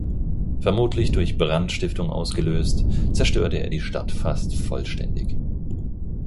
Vermutlich durch Brandstiftung ausgelöst, zerstörte er die Stadt fast vollständig.